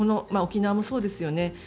沖縄もそうですよね。